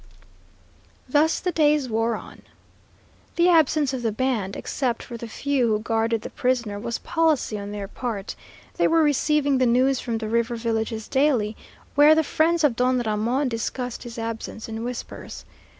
Thus the days wore on. The absence of the band, except for the few who guarded the prisoner, was policy on their part. They were receiving the news from the river villages daily, where the friends of Don Ramon discussed his absence in whispers.